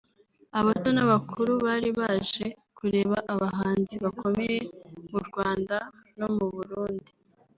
abato n’abakuru bari baje kureba abahanzi bakomeye mu Rwanda no mu Burundi